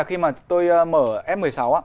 khi mà tôi mở f một mươi sáu